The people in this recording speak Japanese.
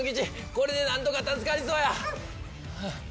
これで何とか助かりそうや。